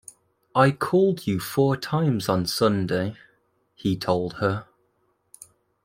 "I called you four times on Sunday," he told her.